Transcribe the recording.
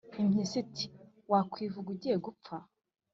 impyisi iti «wakwivuga ugiye gupfa,